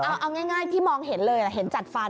เอาง่ายที่มองเห็นเลยเห็นจัดฟัน